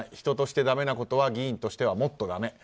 人としてだめなことは議員としてはもっとだめ。